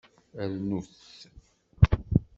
Rnut!